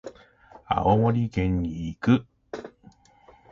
青森県に行く。